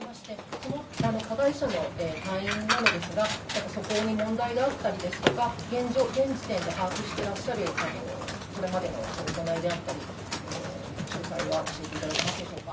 加害者の隊員なのですが、素行に問題であったりですとか、現時点で把握してらっしゃるこれまでの行いであったり、詳細は教えていただけますでしょうか。